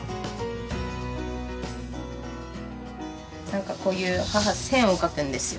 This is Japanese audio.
なんかこういう母線を描くんですよ。